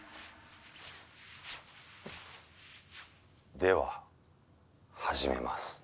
では始めます。